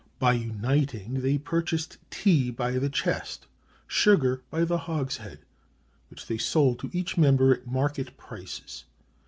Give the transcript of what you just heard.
By uniting, they purchased tea by the chest, sugar by the hogshead, which they sold to each member at market prices.